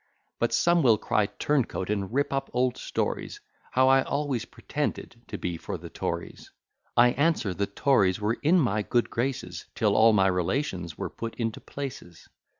But some will cry turn coat, and rip up old stories, How I always pretended to be for the Tories: I answer; the Tories were in my good graces, Till all my relations were put into places.